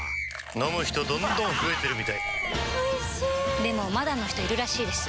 飲む人どんどん増えてるみたいおいしでもまだの人いるらしいですよ